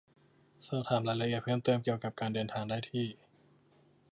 สอบถามรายละเอียดเพิ่มเติมเกี่ยวกับการเดินทางได้ที่